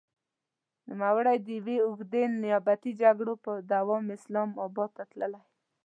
نوموړی د يوې اوږدې نيابتي جګړې په دوام اسلام اباد ته تللی.